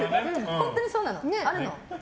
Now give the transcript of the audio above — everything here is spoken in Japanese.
本当にそうなの、あるの。